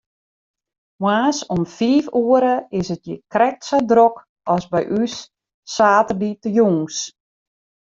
Moarns om fiif oere is it hjir krekt sa drok as by ús saterdeitejûns.